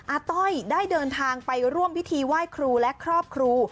ต้อยได้เดินทางไปร่วมพิธีไหว้ครูและครอบครู